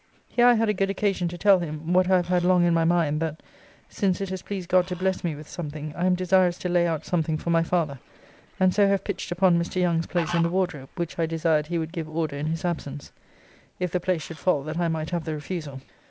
Here I had a good occasion to tell him (what I have had long in my mind) that, since it has pleased God to bless me with something, I am desirous to lay out something for my father, and so have pitched upon Mr. Young's place in the Wardrobe, which I desired he would give order in his absence, if the place should fall that I might have the refusal.